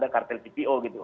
kartel cpo gitu